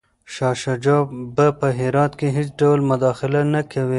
شاه شجاع به په هرات کي هیڅ ډول مداخله نه کوي.